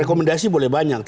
rekomendasi boleh banyak